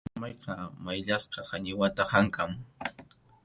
Mamayqa mayllasqa qañiwata hamkʼan.